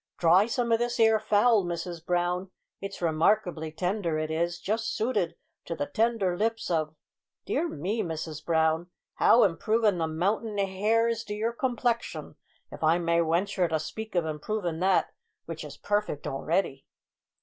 "Try some of this 'ere fowl, Mrs Brown, it's remarkably tender, it is; just suited to the tender lips of dear me, Mrs Brown, how improvin' the mountain hair is to your complexion, if I may wenture to speak of improvin' that w'ich is perfect already."